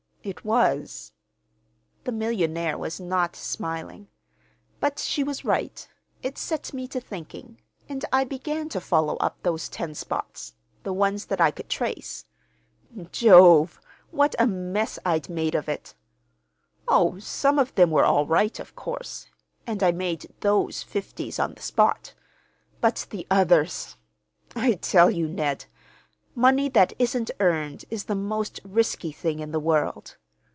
"It was." The millionaire was not smiling. "But she was right. It set me to thinking, and I began to follow up those ten spots—the ones that I could trace. Jove! what a mess I'd made of it! Oh, some of them were all right, of course, and I made those fifties on the spot. But the others—! I tell you, Ned, money that isn't earned is the most risky thing in the world.